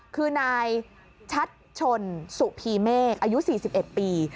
คือนายชัดชนสุพีเมฆอายุ๔๑ปี